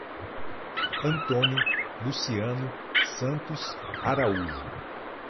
Antônio Luciano Santos Araújo